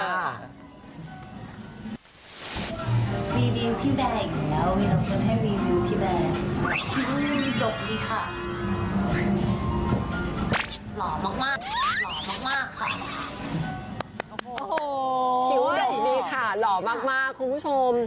คิวโดบดีค่ะหล่อมากคุณผู้ชม